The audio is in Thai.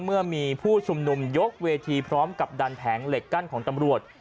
เมื่อมีผู้ชุมนุมยกเวทีพร้อมกับดันแผงเหล็กกั้นของตำรวจ